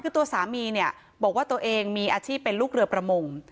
คือตัวสามีเนี่ยบอกว่าตัวเองมีอาชีพเป็นลูกเรือประมง